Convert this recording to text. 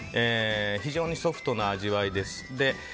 非常にソフトな味わいです。